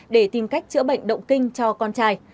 để tìm cách chữa bệnh động kinh cho con trai